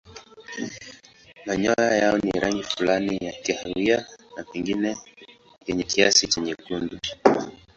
Manyoya yao ni rangi fulani ya kahawia na pengine yenye kiasi cha nyekundu.